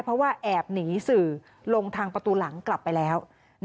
เพราะว่าแอบหนีสื่อลงทางประตูหลังกลับไปแล้ว